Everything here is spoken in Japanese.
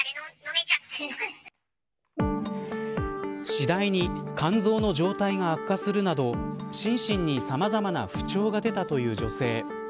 次第に肝臓の状態が悪化するなど心身にさまざまな不調が出たという女性。